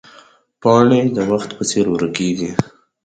پاڼې د وخت په څېر ورکېږي